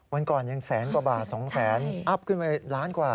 วันก่อนยังแสนกว่าบาท๒แสนอัพขึ้นไปล้านกว่า